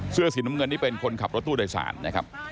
เสื้อสีน้ำเงินนี่เป็นคนขับรถตู้โดยสารนะครับ